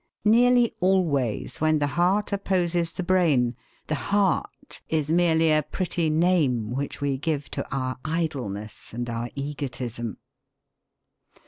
Nearly always, when the heart opposes the brain, the heart is merely a pretty name which we give to our idleness and our egotism.